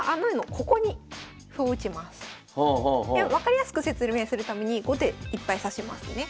分かりやすく説明するために後手いっぱい指しますね。